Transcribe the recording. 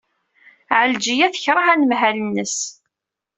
Ɛelǧiya tekṛeh anemhal-nnes.